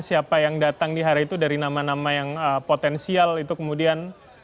siapa yang datang di hari itu dari nama nama yang potensial itu kemudian